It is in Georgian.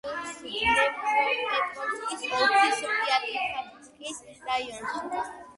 მდებარეობს დნეპროპეტროვსკის ოლქის პიატიხატკის რაიონში.